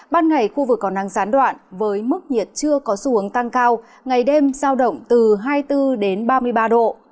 ban ngày khu vực còn đang gián đoạn với mức nhiệt chưa có xu hướng tăng cao ngày đêm giao động từ hai mươi bốn đến ba mươi ba độ